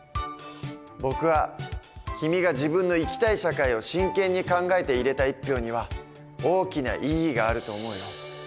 僕は君が自分の生きたい社会を真剣に考えて入れた１票には大きな意義があると思うよ。